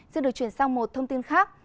xin được chuyển sang một thông tin khác